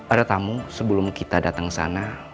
ada tamu sebelum kita datang ke sana